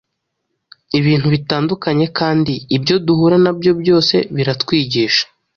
ibintu bitandukanye kandi ibyo duhura na byo byose biratwigisha.